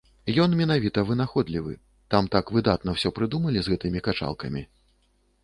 Ён менавіта вынаходлівы, там так выдатна ўсё прыдумалі з гэтымі качалкамі.